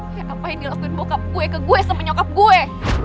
kayak apa yang dilakuin bokap gue ke gue sama nyokap gue